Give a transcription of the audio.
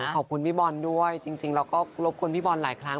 ขอบคุณพี่บอลด้วยจริงเราก็รบกวนพี่บอลหลายครั้ง